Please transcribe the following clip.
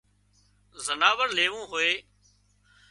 زناور ليوون هوئي